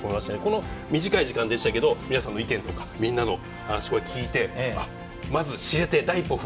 この短い時間でしたけど皆さんの意見とかみんなの話を聞いてまず知れて第一歩踏み出せたなと思いました。